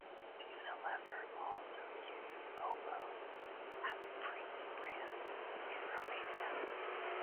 Unilever also use Omo as a premium brand in Romania.